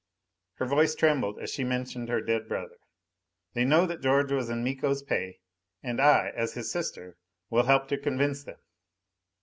Her voice trembled as she mentioned her dead brother. "They know that George was in Miko's pay, and I as his sister, will help to convince them."